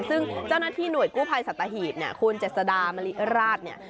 ซึ่งเจ้าหน้าที่หน่วยกู้ภัยสัตหีบเนี่ยคุณเจษดามะลิราชเนี่ย